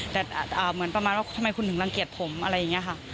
แต่เหมือนประมาณว่าทำไมคุณถึงรังเกียจผมอะไรอย่างนี้ค่ะ